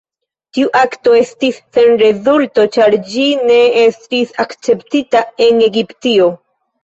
Tiu akto estis sen rezulto, ĉar ĝi ne estis akceptita en Egiptio.